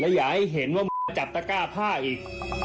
แล้วอย่าให้เห็นว่าหมูจะจับตะก้าผ้าอีก